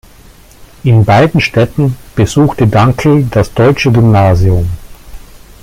In beiden Städten besuchte Dankl das Deutsche Gymnasium.